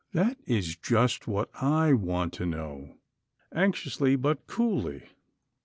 " "That is just what I want to know," said Dr. Juno, anxiously, but coolly.